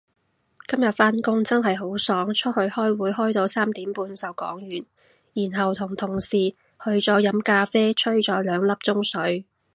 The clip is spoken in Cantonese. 今日返工真係好爽，出去開會開到三點半就講完，然後同同事去咗飲咖啡吹咗兩粒鐘水